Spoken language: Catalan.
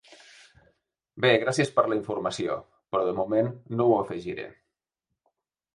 Bé, gràcies per la informació però de moment no ho afegiré.